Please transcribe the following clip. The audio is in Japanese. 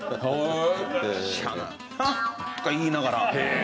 フンッ」とか言いながら。